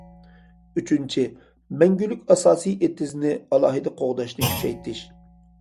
ئۈچىنچى، مەڭگۈلۈك ئاساسىي ئېتىزنى ئالاھىدە قوغداشنى كۈچەيتىش.